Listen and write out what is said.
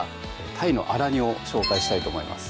「鯛のあら煮」を紹介したいと思います